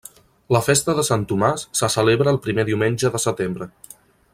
La festa de Sant Tomàs se celebra el primer diumenge de setembre.